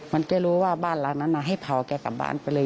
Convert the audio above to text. แกรู้ว่าบ้านหลังนั้นให้เผาแกกลับบ้านไปเลย